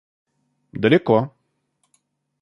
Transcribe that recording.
далеко